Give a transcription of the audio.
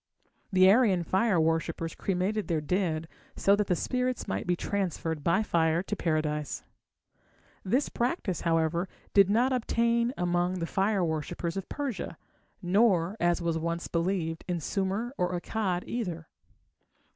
The Aryan fire worshippers cremated their dead so that the spirits might be transferred by fire to Paradise. This practice, however, did not obtain among the fire worshippers of Persia, nor, as was once believed, in Sumer or Akkad either.